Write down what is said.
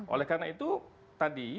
oleh karena itu tadi